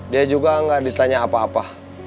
dia juga nggak ditanya apa apa